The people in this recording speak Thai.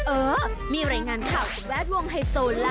เออมีรายงานข่าวจากแวดวงไฮโซนล่ะ